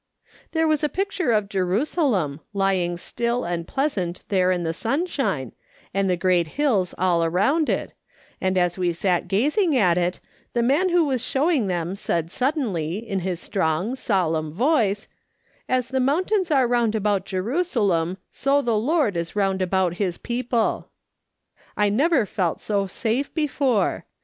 SHE HAS TRIALS AND COMPENSATIONS. 35 " There was a picture of Jerusalem, lying still and pkasant tliere in the sunshine, and the great hills all around it, and as we sat gazing at it, the man who was showing them said suddenly, in his strong, solemn voice :"' As the mountains are round about Jerusalem, so the Lord is round about his people.' " I never felt so safe before.